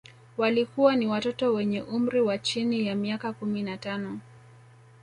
Walikuwa ni watoto wenye umri wa chini ya miaka kumi na tano